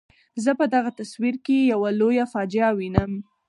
زه په دغه تصویر کې یوه لویه فاجعه وینم.